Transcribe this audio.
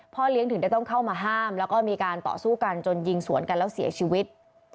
เลี้ยงถึงได้ต้องเข้ามาห้ามแล้วก็มีการต่อสู้กันจนยิงสวนกันแล้วเสียชีวิต